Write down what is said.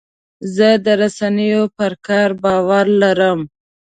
زه د رسنیو پر کار باور لرم.